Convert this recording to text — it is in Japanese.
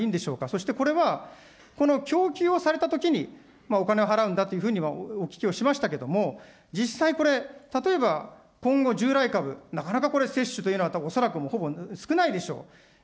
そしてこれは、この供給をされたときに、お金を払うんだというふうにはお聞きをしましたけれども、実際これ、例えば、今後従来株、なかなかこれ、接種というのは恐らくほぼ少ないでしょう。